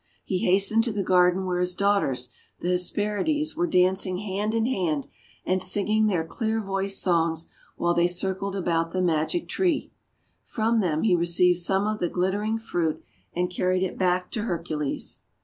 He hastened to the garden where his daughters, the Hesperides, were dancing hand in hand, and singing their clear voiced songs while they circled about the magic tree. From them he received some of the glittering fruit, and carried it back to Hercules.